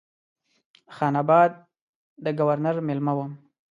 خان آباد د ګورنر مېلمه وم.